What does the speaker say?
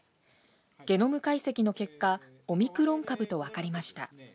ゲノム解析の結果オミクロン株と分かりました。